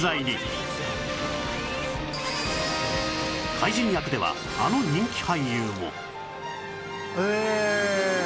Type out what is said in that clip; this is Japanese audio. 怪人役ではあの人気俳優も